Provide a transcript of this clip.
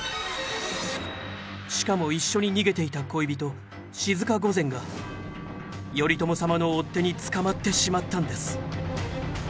しかも一緒に逃げていた恋人静御前が頼朝様の追っ手に捕まってしまったんです。